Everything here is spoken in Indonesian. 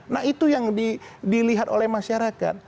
nah itu yang dilihat oleh masyarakat